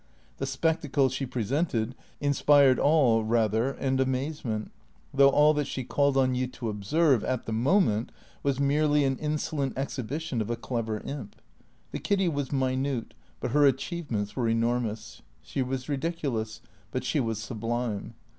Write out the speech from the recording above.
The spectacle she presented inspired awe rather and amazement; though all that she called on you to observe, at the moment, was merely an insolent exhibition of a clever imp. The Kiddy was minute, but her achievements were enormous; she was ridiculous, but she was sublime.